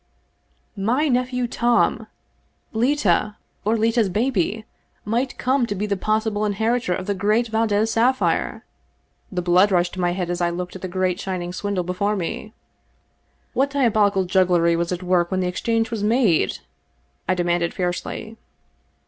My nephew Tom ! Leta, or Leta's baby, might come to be the possible inheritor of the great Valdez sapphire ! The blood rushed to my head as I looked at the great shining swindle before me. " What diabolic jugglery was at work when the exchange was made ?" I demanded fiercely.